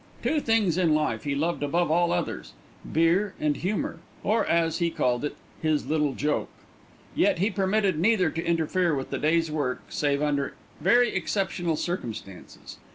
Two things in life he loved above all others, beer and humour (or, as he called it, his "little joke"); yet he permitted neither to interfere with the day's work, save under very exceptional circumstances.